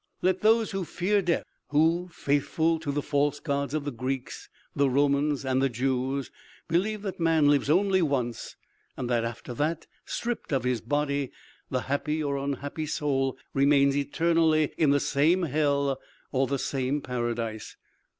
"Let those fear death who, faithful to the false gods of the Greeks, the Romans and the Jews, believe that man lives only once, and that after that, stripped of his body, the happy or unhappy soul remains eternally in the same hell or the same paradise!